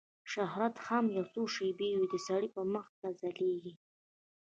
شهرت هم یو څو شېبې وي د سړي مخ ته ځلیږي